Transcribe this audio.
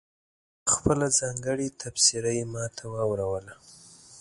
خپله ځانګړې تبصره یې ماته واوروله.